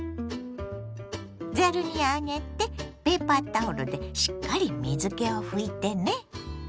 ざるに上げてペーパータオルでしっかり水けを拭いてね。